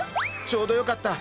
ちょうどよかった。